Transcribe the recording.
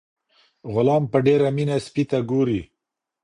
غلام په ډیره مینه سپي ته ګوري.